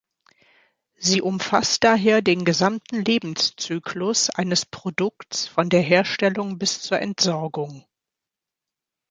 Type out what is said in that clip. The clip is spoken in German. Sie umfasst daher den gesamten Lebenszyklus eines Produkts von der Herstellung bis zur Entsorgung.